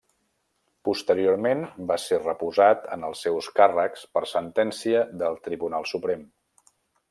Posteriorment va ser reposat en els seus càrrecs per sentència del Tribunal Suprem.